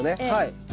はい。